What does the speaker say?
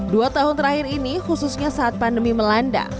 dua tahun terakhir ini khususnya saat pandemi melanda